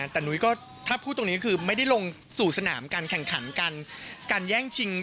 แต่นุ้ยก็ถ้าพูดตรงนี้คือไม่ได้ลงสู่สนามการแข่งขันการแย่งชิง